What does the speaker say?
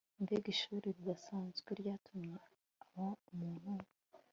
Mbega ishuri ridasanzwe ryatumye aba umuntu